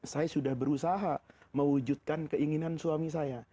saya sudah berusaha mewujudkan keinginan suami saya